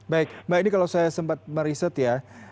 baik mbak ini kalau saya sempat meriset ya